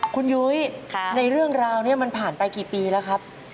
คุณยุ้ยในเรื่องราวนี้มันผ่านไปกี่ปีแล้วครับ